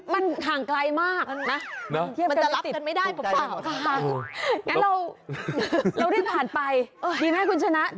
มันข่างไกลมากนะ